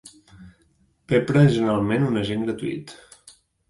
Peprah és generalment un agent gratuït.